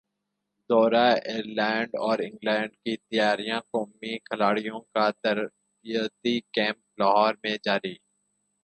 دورہ ائرلینڈ اور انگلینڈ کی تیاریاںقومی کھلاڑیوں کا تربیتی کیمپ لاہور میں جاری